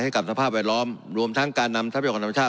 สภาพแวดล้อมรวมทั้งการนำทรัพยากรธรรมชาติ